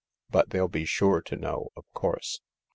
" But they'll be sure to know, of course."